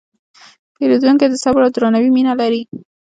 پیرودونکی د صبر او درناوي مینه لري.